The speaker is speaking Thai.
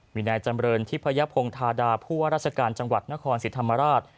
มีนายจำเรินทิพยพงธาดาผู้ว่าราชการจังหวัดนครศรีธรรมราช